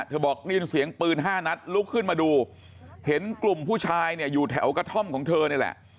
บอกได้ยินเสียงปืน๕นัดลุกขึ้นมาดูเห็นกลุ่มผู้ชายเนี่ยอยู่แถวกระท่อมของเธอนี่แหละ